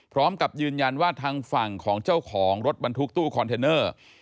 พร้อมกับยืนยันว่าทางฝั่งของเจ้าของรถบรรทุกตู้คอนเทนเนอร์